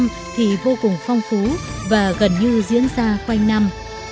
múa trăm thì vô cùng phong phú và gần như diễn ra quanh năm